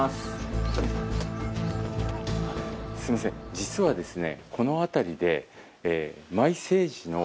実はですね。